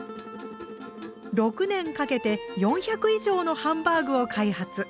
６年かけて４００以上のハンバーグを開発。